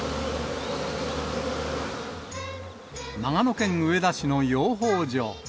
長野県上田市の養蜂場。